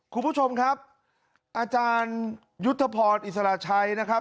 คุณผู้ชมครับอาจารยุทธพรอิสระชัยนะครับ